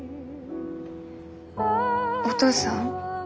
お父さん？